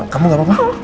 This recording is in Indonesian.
kamu gak apa apa